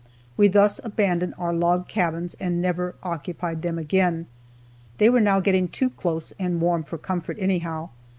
We thus abandoned our log cabins, and never occupied them again. They were now getting too close and warm for comfort, anyhow.